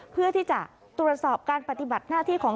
เพื่อที่จะตรวจสอบการปฏิบัติหน้าที่ของ